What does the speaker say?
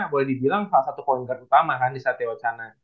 boleh dibilang salah satu poinger utama kan di satewacana